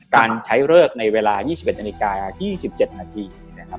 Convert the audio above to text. การใช้เลิกในเวลา๒๑นาฬิกา๒๗นาทีนะครับ